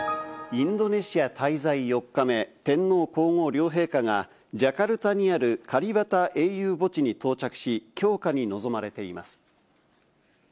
インドネシア滞在４日目、天皇皇后両陛下がジャカルタにあるカリバタ英雄墓地に到着し、供花に臨まれています。